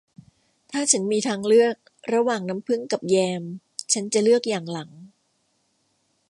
ถ้าฉันมีทางเลือกระหว่างน้ำผึ้งกับแยมฉันจะเลือกอย่างหลัง